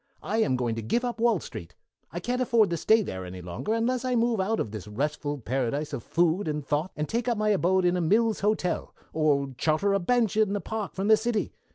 I'm going to give up Wall Street. I can't afford to stay there any longer unless I move out of this restful paradise of food and thought and take up my abode in a Mills Hotel, or charter a bench in the park from the city.